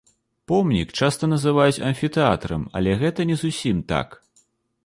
Помнік часта называюць амфітэатрам, але гэта не зусім так.